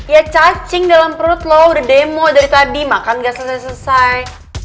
ya cacing dalam perut loh udah demo dari tadi makan gak selesai selesai